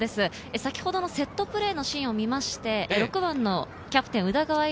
先ほどのセットプレーのシーンを見まして、６番のキャプテン宇田川瑛